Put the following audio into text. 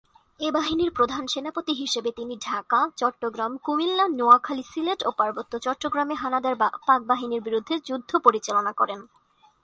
এ বাহিনীর প্রধান সেনাপতি হিসেবে তিনি ঢাকা, চট্টগ্রাম, কুমিল্লা, নোয়াখালী, সিলেট ও পার্বত্য চট্টগ্রামে হানাদার পাকবাহিনীর বিরুদ্ধে যুদ্ধ পরিচালনা করেন।